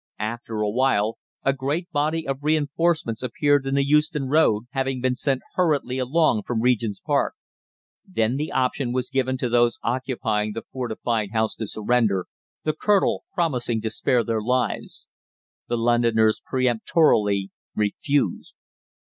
After a while a great body of reinforcements appeared in the Euston Road, having been sent hurriedly along from Regent's Park. Then the option was given to those occupying the fortified house to surrender, the colonel promising to spare their lives. The Londoners peremptorily refused.